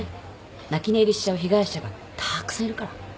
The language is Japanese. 泣き寝入りしちゃう被害者がたーくさんいるから。